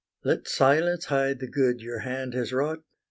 Let silence hide the good your hand has wrought.